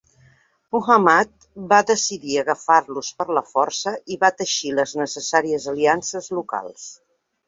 Muhammad va decidir agafar-los per la força i va teixir les necessàries aliances locals.